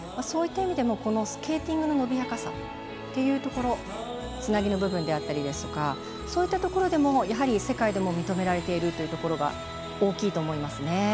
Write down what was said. そういった意味でもスケーティングの伸びやかさというところつなぎの部分であったりですとかそういったところでも世界でも認められているところが大きいと思いますね。